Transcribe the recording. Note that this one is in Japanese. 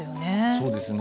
そうですね。